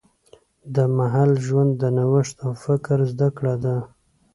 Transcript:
د محصل ژوند د نوښت او فکر زده کړه ده.